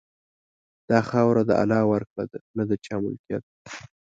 دا خاوره د الله ورکړه ده، نه د چا ملکیت.